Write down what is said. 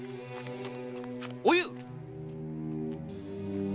おゆう！